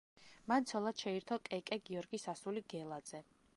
მან ცოლად შეირთო კეკე გიორგის ასული გელაძე.